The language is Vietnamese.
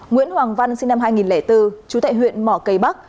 nguyễn hoàng văn sinh năm hai nghìn bốn chú tại huyện mỏ cây bắc